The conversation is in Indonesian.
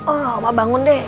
oh omah bangun deh